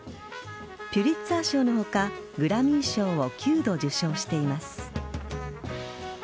ピュリツァー賞の他グラミー賞を９度受賞しています。